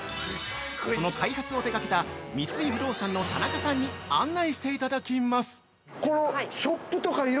その開発を手がけた三井不動産の田中さんに案内していただきます。